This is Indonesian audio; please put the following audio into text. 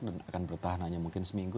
dan akan bertahan hanya mungkin seminggu